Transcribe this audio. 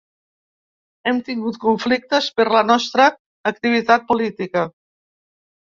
Hem tingut conflictes per la nostra activitat política.